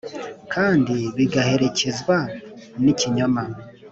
kandi bigaherekezwa n'ikinyoma.